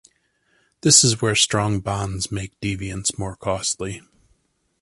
This is where strong bonds make deviance more costly.